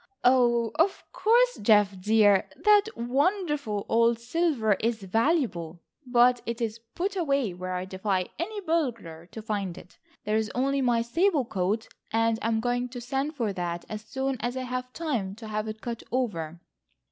"Oh, of course, Geof dear, that wonderful old silver is valuable, but it is put away where I defy any burglar to find it. There is only my sable coat, and I am going to send for that as soon as I have time to have it cut over."